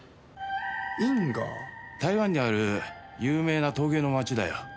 台湾にある有名な陶芸の街だよ。